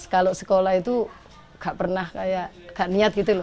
kalau sekolah itu gak pernah kayak gak niat gitu loh